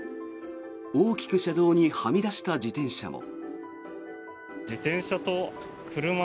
大きく車道にはみ出した自転車も。